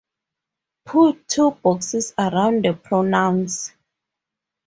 Put two boxes around the pronouns.